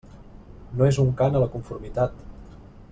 No és un cant a la conformitat.